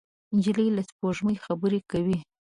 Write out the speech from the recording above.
نجلۍ له سپوږمۍ خبرې کوي.